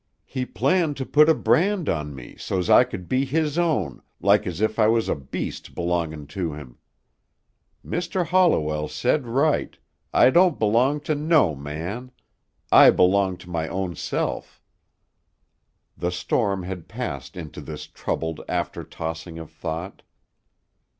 He planned to put a brand on me so's I c'd be his own like as if I was a beast belongin' to him. Mr. Holliwell said right, I don't belong to no man. I belong to my own self." The storm had passed into this troubled after tossing of thought.